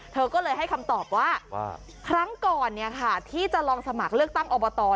เธอก็เลยให้คำตอบว่าครั้งก่อนที่จะลองสมัครเลือกตั้งอบต